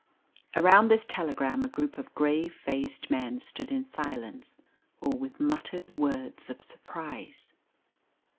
Around this telegram a group of grave faced men stood in silence, or with muttered words of surprise.